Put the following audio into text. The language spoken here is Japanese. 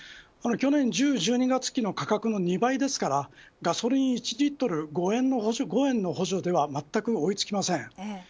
去年１０−１２月期の価格の２倍ですからガソリン１リットル５円の補助ではまったく追いつきません。